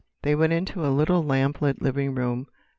They went into a little lamplit living room.